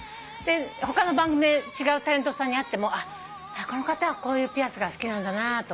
他の番組で違うタレントさんに会ってもこの方はこういうピアスが好きなんだなとかいちいち。